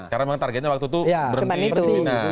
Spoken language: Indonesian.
karena memang targetnya waktu itu berhenti pimpinan